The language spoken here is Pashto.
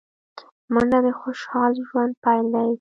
منډه د خوشال ژوند پيل دی